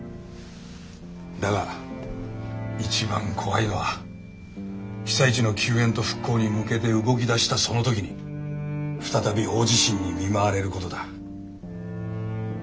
だが一番怖いのは被災地の救援と復興に向けて動き出したその時に再び大地震に見舞われることだ。